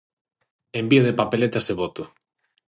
Envío de papeletas e Voto.